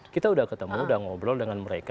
kita sudah ketemu sudah ngobrol dengan mereka